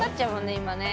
今ね。